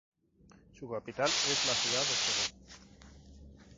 Su capital es la ciudad de Segú.